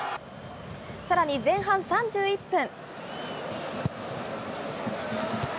さらに前半３１分。